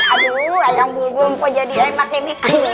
aduh ayang bul belum jadi enak ini